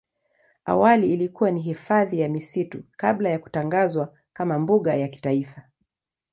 Awali ilikuwa ni hifadhi ya misitu kabla ya kutangazwa kama mbuga ya kitaifa.